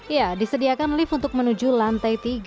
ya disediakan lift untuk menuju lantai tiga